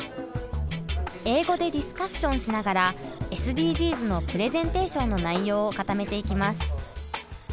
英語でディスカッションしながらＳＤＧｓのプレゼンテーションの内容を固めていきます。